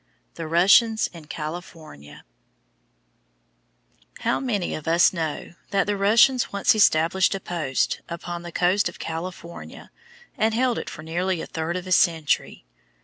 THE RUSSIANS IN CALIFORNIA How many of us know that the Russians once established a post upon the coast of California and held it for nearly a third of a century?